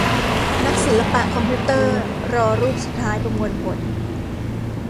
นักศิลปะคอมพิวเตอร์รอรูปสุดท้ายประมวลผล